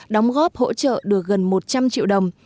đóng góp hỗ trợ được gần một trăm linh triệu đồng